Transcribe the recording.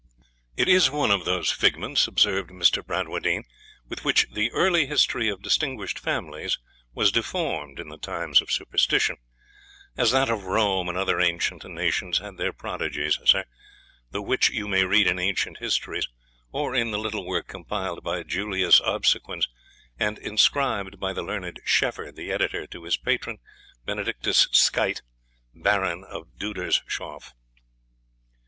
'" 'It is one of those figments,' observed Mr. Bradwardine, 'with which the early history of distinguished families was deformed in the times of superstition; as that of Rome, and other ancient nations, had their prodigies, sir, the which you may read in ancient histories, or in the little work compiled by Julius Obsequens, and inscribed by the learned Scheffer, the editor, to his patron, Benedictus Skytte, Baron of Dudershoff.'